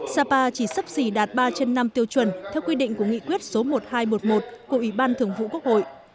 sapa chỉ sắp xỉ đạt ba trên năm tiêu chuẩn theo quy định của nghị quyết số một nghìn hai trăm một mươi một của ủy ban thường vụ quốc hội